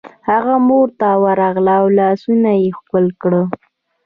هغه مور ته ورغله او لاسونه یې ښکل کړل